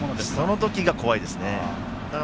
そのときが怖いですね。